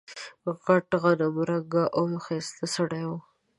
غټ غنم رنګه او ښایسته سړی و.